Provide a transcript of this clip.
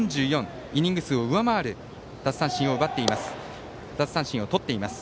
イニング数を上回る奪三振をとっています。